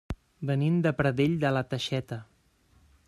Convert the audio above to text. Venim de Pradell de la Teixeta.